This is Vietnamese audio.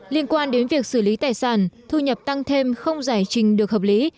liên quan đến việc xử lý tài sản thu nhập tăng thêm không giải trình được hợp lý